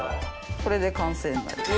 これで完成になります。